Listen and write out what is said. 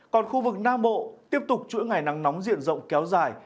còn khu vực nam bộ tiếp tục chuỗi ngày nắng nóng diện rộng kéo dài